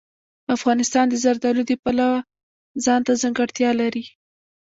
افغانستان د زردالو د پلوه ځانته ځانګړتیا لري.